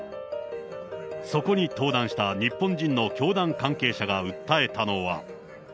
そこに登壇した日本人の教団関係者が訴えたのは。